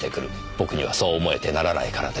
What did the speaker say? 僕にはそう思えてならないからです。